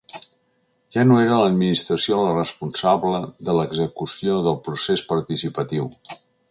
Ja no era l’administració la responsable de l’execució del procés participatiu.